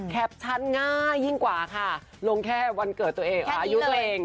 คัปชั้นง่ายยิ่งกว่าค่ะลงแค่วันเกิดตัวเอง